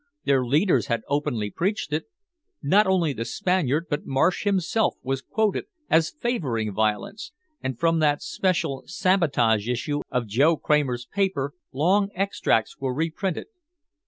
Their leaders had openly preached it. Not only the Spaniard but Marsh himself was quoted as favoring violence, and from that special Sabotage Issue of Joe Kramer's paper long extracts were reprinted.